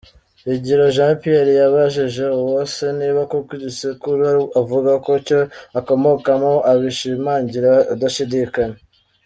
Higiro Jean Pierre yabajije Uwase niba koko igisekuru avuga ari cyo akomokamo abishimangira adashidikanya.